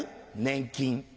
年金。